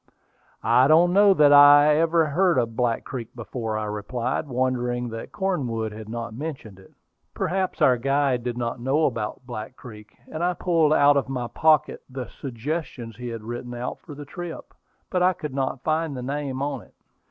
"I don't know that I ever heard of Black Creek before," I replied, wondering that Cornwood had not mentioned it. Perhaps our guide did not know about Black Creek; and I pulled out of my pocket the "Suggestions" he had written out for the trip; but I could not find the name in it.